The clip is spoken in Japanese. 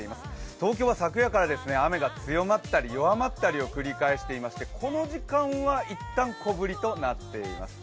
東京は昨夜から雨が強まったり弱まったりを繰り返していまして、この時間は一旦小降りとなっています。